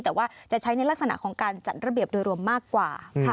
แต่ว่าจะใช้ในลักษณะของการจัดระเบียบโดยรวมมากกว่า